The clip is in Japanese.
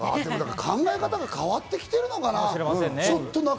考え方が変わってきてるのかな。